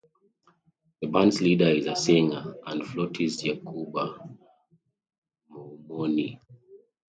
The band's leader is singer and flautist Yacouba Moumouni.